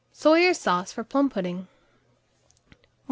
SOYER'S SAUCE FOR PLUM PUDDING. 1359.